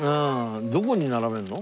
どこに並べるの？